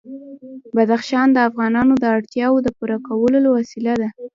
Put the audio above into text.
بدخشان د افغانانو د اړتیاوو د پوره کولو وسیله ده.